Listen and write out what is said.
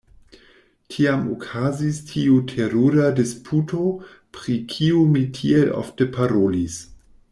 Tiam okazis tiu terura disputo, pri kiu mi tiel ofte parolis.